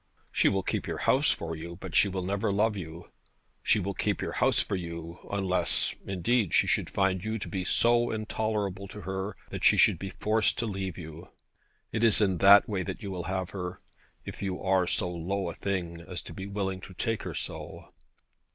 She will keep your house for you; but she will never love you. She will keep your house for you, unless, indeed, she should find you to be so intolerable to her, that she should be forced to leave you. It is in that way that you will have her, if you are so low a thing as to be willing to take her so.'